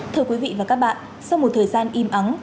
thưa quý vị và các bạn sau một thời gian im ắng